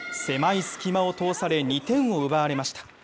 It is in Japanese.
狭い隙間を通され、２点を奪われました。